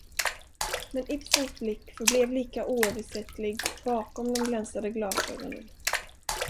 Men Ibsens blick förblev lika oöversättlig bakom de glänsande glasögonen.